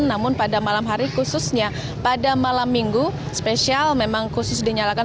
namun pada malam hari khususnya pada malam minggu spesial memang khusus dinyalakan